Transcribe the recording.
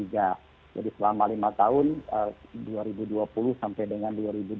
jadi selama lima tahun dua ribu dua puluh sampai dengan dua ribu dua puluh empat